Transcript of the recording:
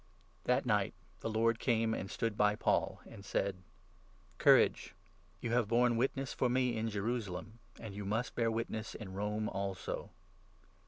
That night the Lord came and stood by Paul, and said : u "Courage ! You have borne witness for me in Jerusalem and you must bear witness in Rome also."